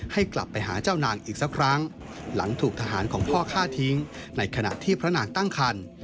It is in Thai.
ให้กลับไปหาเจ้านางอีกสักครั้งหลังถูกทหารของพ่อฆ่าทิ้งในขณะที่พระนางตั้งคัน